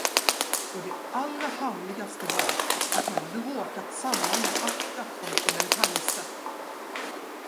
Och det allra harmligaste var, att han hade råkat samman med Akka från Kebnekajse.